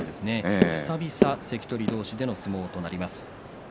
久々の関取同士での相撲となります。